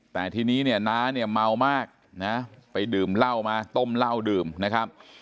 แต่ทีนี้เนี่ยน้าเนี่ยเมามากนะไปดื่มเหล้ามาต้มเหล้าดื่มนะครับ